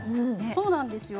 そうなんですよ。